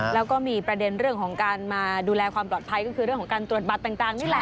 แล้วก็มีประเด็นเรื่องของการมาดูแลความปลอดภัยก็คือเรื่องของการตรวจบัตรต่างนี่แหละ